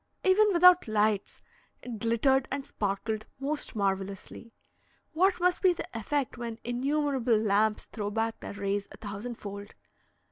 Even without lights, it glittered and sparkled most marvellously; what must be the effect when innumerable lamps throw back their rays a thousandfold!